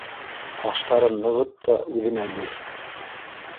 Ҡаштарын нығыт та үҙемә бир!